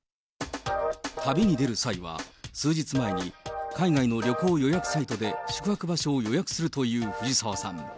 旅に出る際は、数日前に海外の旅行予約サイトで宿泊場所を予約するというふじさわさん。